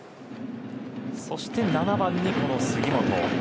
そして７番にこの杉本。